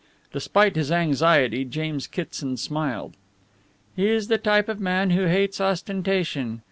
Despite his anxiety, James Kitson smiled. "He is the type of man who hates ostentation.